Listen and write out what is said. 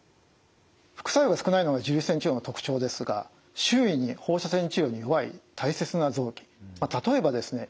副作用が少ないのが重粒子線治療の特徴ですが周囲に放射線治療に弱い大切な臓器例えばですね